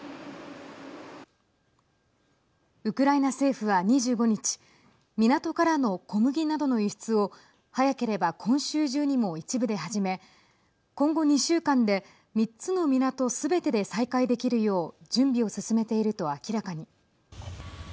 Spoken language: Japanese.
ウクライナ政府は、２５日港からの小麦などの輸出を早ければ今週中にも一部で始め今後２週間で３つの港すべてで再開できるよう準備を進めていると明らかに。